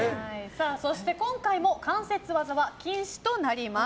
そして今回も関節技は禁止となります。